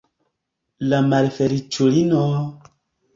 La malfeliĉulino!